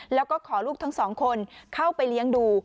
แล้วก็ขอลูกทั้งสองคนเข้าไปเลี้ยงดู